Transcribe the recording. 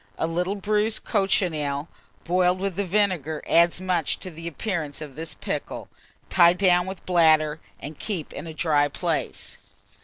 A little bruised cochineal boiled with the vinegar adds much to the appearance of this pickle. Tie down with bladder, and keep in a dry place.